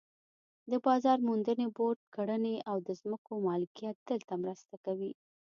د بازار موندنې بورډ کړنې او د ځمکو مالکیت دلته مرسته کوي.